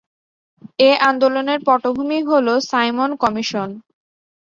এ আন্দোলনের পটভূমি হলো সাইমন কমিশন।